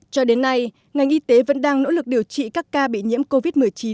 cho đến nay ngành y tế vẫn đang nỗ lực điều trị các ca bị nhiễm covid một mươi chín